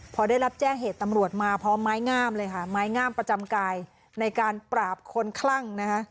พอได้รับแจ้งเหตุตำรวจมาพร้อมไม้งามเลยค่ะไม้งามประจำกายในการปราบคนคลั่งนะคะ